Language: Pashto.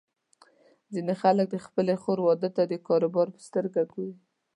ځینې خلک د خپلې خور واده ته د کاروبار په سترګه ګوري.